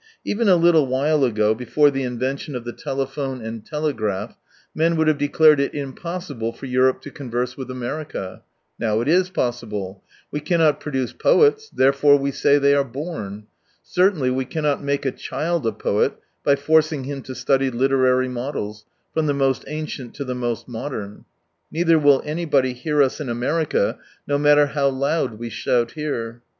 Even a little while ago, before the invention of 147 the telephone and telegraph, men would have declared it impossible for Europe to converse with America. Now it is possible. We cannot produce poets, therefore we say they are born. Certainly we cannot make a child a poet by forcing him to study literary models, from the most ancient to the most modern. Neither will anybody hear us in America no matter how loud we shout here.